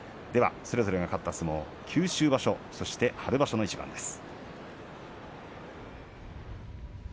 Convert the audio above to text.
それぞれが勝った相撲を九州場所と春場所の一番です。